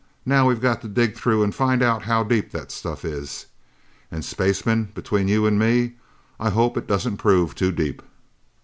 "Now we've got to dig through and find out how deep that stuff is. And spacemen, between you and me, I hope it doesn't prove too deep!"